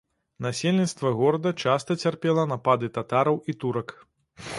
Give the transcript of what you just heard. Насельніцтва горада часта цярпела напады татараў і турак.